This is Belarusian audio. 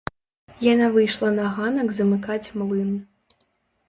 Яна выйшла на ганак замыкаць млын.